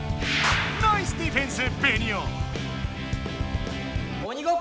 ナイスディフェンスベニオ！